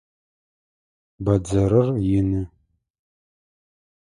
Бадзэрыр ины.